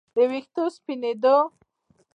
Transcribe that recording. د ویښتو سپینېدو